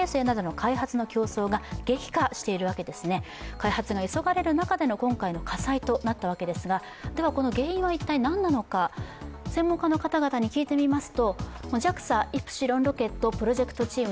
開発が急がれる中での、今回の火災となったわけですがこの原因は一体何なのか、専門家の方々に聞いてみます。